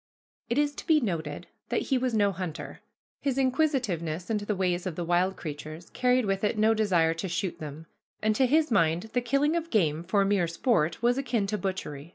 It is to be noted that he was no hunter. His inquisitiveness into the ways of the wild creatures carried with it no desire to shoot them, and to his mind the killing of game for mere sport was akin to butchery.